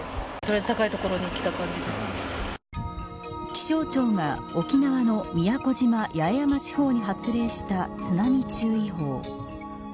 気象庁が沖縄の宮古島・八重山地方に発令した津波注意報。